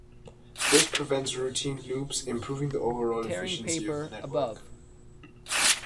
This prevents routing loops, improving the overall efficiency of the network.